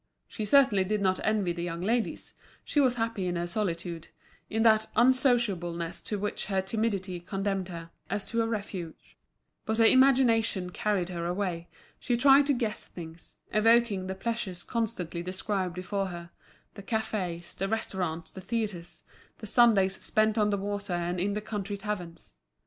She certainly did not envy the young ladies, she was happy in her solitude, in that unsociableness to which her timidity condemned her, as to a refuge; but her imagination carried her away, she tried to guess things, evoking the pleasures constantly described before her, the cafés, the restaurants, the theatres, the Sundays spent on the water and in the country taverns.